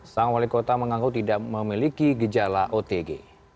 sang walekota mengangguk tidak memiliki gejala otg